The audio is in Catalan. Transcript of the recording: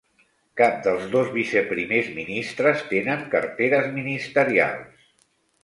Cap dels dos vice-primers ministres tenen carteres ministerials.